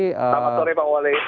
selamat sore pak wali